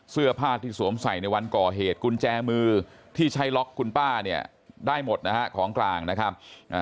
เสื้อผ้าที่สวมใส่ในวันก่อเหตุกุญแจมือที่ใช้ล็อกคุณป้าเนี่ยได้หมดนะฮะของกลางนะครับ